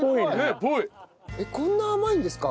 えっこんな甘いんですか？